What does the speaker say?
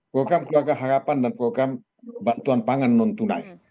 program keluarga harapan dan program bantuan pangan non tunai